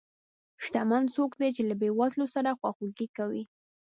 شتمن څوک دی چې له بې وزلو سره خواخوږي کوي.